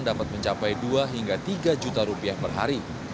dapat mencapai dua hingga tiga juta rupiah per hari